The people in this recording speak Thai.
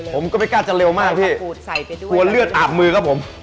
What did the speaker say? ผมก็ไม่กล้าจะเร็วมากพี่ตัวเลือดอาบมือครับผม